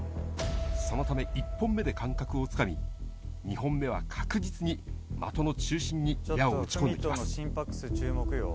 そのため、１本目で感覚をつかみ、２本目は確実に的の中心に矢をうち込んできます。